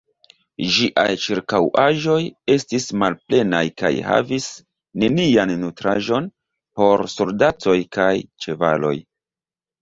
Ĝiaj ĉirkaŭaĵoj estis malplenaj kaj havis nenian nutraĵon por soldatoj kaj ĉevaloj.